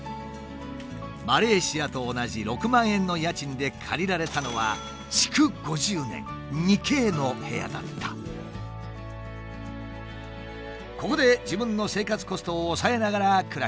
マレーシアと同じ６万円の家賃で借りられたのはここで自分の生活コストを抑えながら暮らしている。